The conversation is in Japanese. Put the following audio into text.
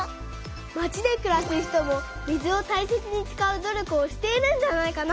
まちでくらす人も水をたいせつにつかう努力をしているんじゃないかな。